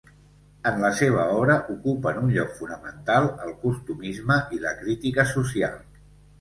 En la seva obra ocupen un lloc fonamental el costumisme i la crítica social.